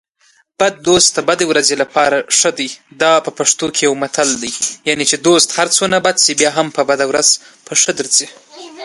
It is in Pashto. هغو مېرمنو نجلۍ له ځایه پورته کړه او له ځان سره یې کړه